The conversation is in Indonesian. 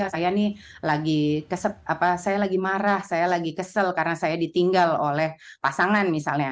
saya nih saya lagi marah saya lagi kesel karena saya ditinggal oleh pasangan misalnya